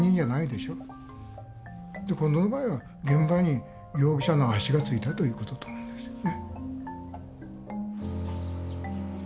今度の場合は現場に容疑者の足がついたということと思うんですよね。